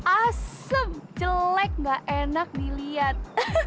asem jelek gak enak dilihat